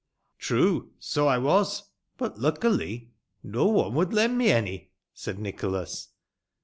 True, so I was. But, luckily, no one would lend me äny," Said Nicholas.